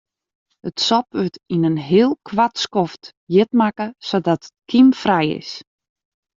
It sop wurdt yn in heel koart skoft hjit makke sadat it kymfrij is.